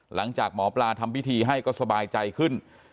หลังจากหมอปลาทำพิธีให้ก็สบายใจขึ้น